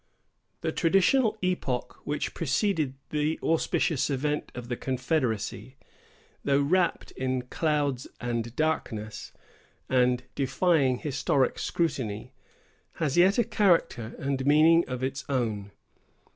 The traditional epoch which preceded the auspicious event of the confederacy, though wrapped in clouds and darkness, and defying historic scrutiny, has yet a character and meaning of its own.